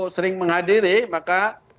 sering menghadiri maka